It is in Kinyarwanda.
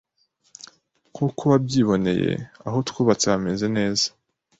Nk’uko wabyiboneye aho twubatse hameze neza